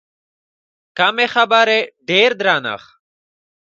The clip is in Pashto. کمې خبرې، ډېر درنښت.